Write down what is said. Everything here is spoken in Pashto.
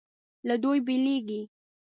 له دوی بېلېږي.